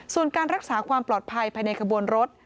ส่วนการรักษาความปลอดภัยภายในขบวนรถ